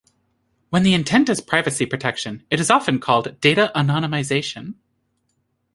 When the intent is privacy protection, it is often called data anonymization.